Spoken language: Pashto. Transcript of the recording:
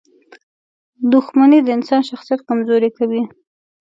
• دښمني د انسان شخصیت کمزوری کوي.